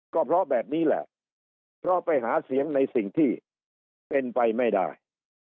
ก็เพราะแบบนี้แหละเพราะไปหาเสียงในสิ่งที่เป็นไปไม่ได้